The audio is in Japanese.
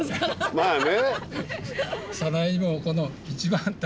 まあね。